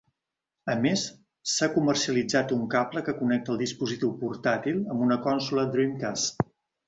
A més, s'ha comercialitzat un cable que connecta el dispositiu portàtil amb una consola Dreamcast.